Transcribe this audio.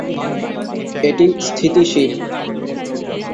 এটি স্থিতিশীল।